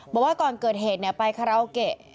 บอกว่าก่อนเกิดเหตุไปคาราโอเกะ